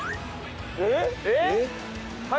えっ？